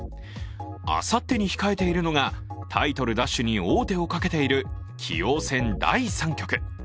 あさってに控えているのがタイトル奪取に王手をかけている棋王戦第３局。